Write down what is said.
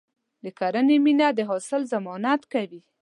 د کرنې مینه د حاصل ضمانت کوي.